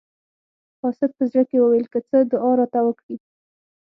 قاصد په زړه کې وویل که څه دعا راته وکړي.